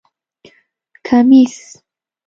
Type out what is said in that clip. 👗 کمېس